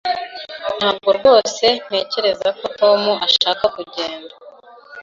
Ntabwo rwose ntekereza ko Tom ashaka kugenda.